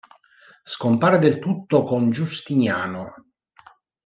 Scompare del tutto con Giustiniano.